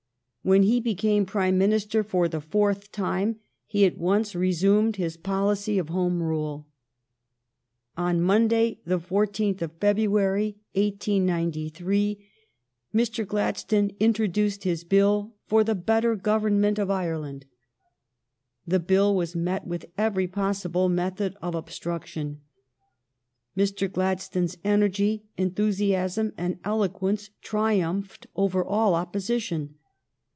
When he became Prime Minister for the fourth time he at once resumed his policy of Home Rule. On Monday, the fourteenth of February, 1S93, Mr. Gladstone introduced his bill "for the better government of Ireland." The Bill was met with every possible method of obstruction. Mr. Glad stone's energy, enthusiasm, and eloquence tri umphed over all opposition.